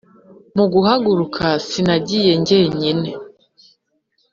mu guhaguruka sinagiye jyenyine,